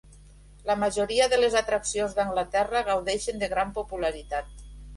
La majoria de les atraccions d'Anglaterra, gaudeixen de gran popularitat.